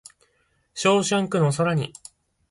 ショーシャンクの空に